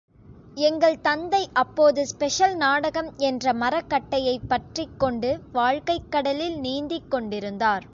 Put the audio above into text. எங்கள் தந்தை அப்போது ஸ்பெஷல் நாடகம் என்ற மரக் கட்டையைப் பற்றிக் கொண்டு வாழ்க்கைக் கடலில் நீந்திக் கொண்டிருந்தார்.